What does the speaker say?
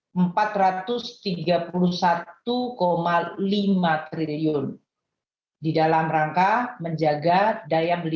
kedua pemerintah memberikan bantuan sosial